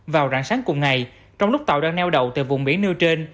vào rạng sáng cùng ngày trong lúc tàu đang neo đầu từ vùng biển nưu trên